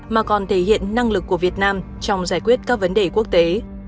mà còn thể hiện năng lực của việt nam trong giải quyết các vấn đề quốc tế